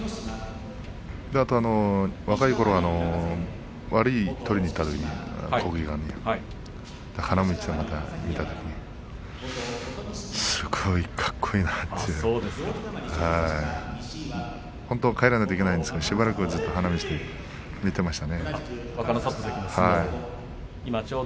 あと、若いころは国技館に割を取りにいったときにすごいかっこいいなと本当は帰らないといけないんですけどしばらく花道で見ていました。